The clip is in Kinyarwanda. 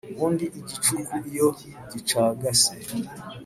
ubundi igicuku iyo gicagase